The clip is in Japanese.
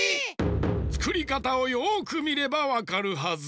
つくりかたをよくみればわかるはず。